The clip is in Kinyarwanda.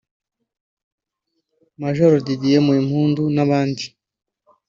Major Didier Muhimpundu n’abandi